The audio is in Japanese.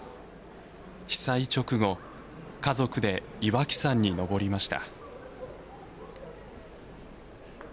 被災直後家族で岩木山に登りました。